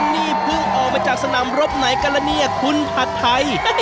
นี่พึ่งเอาไปจากสนามรบไหนกันนะคุณถัดไท